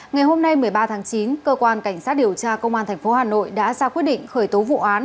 ngày hôm nay một mươi ba tháng chín cơ quan cảnh sát điều tra công an tp hà nội đã ra quyết định khởi tố vụ án